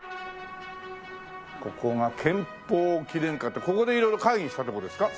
ここが「憲法記念館」ってここで色々会議したって事ですか？